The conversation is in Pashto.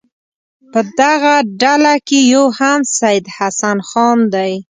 په دغه ډله کې یو هم سید حسن خان دی.